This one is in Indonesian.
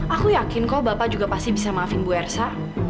aku yakin kok bapak juga pasti bisa maafin bu ersa